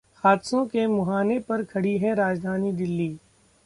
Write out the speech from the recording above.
हादसों के मुहाने पर खड़ी है राजधानी दिल्ली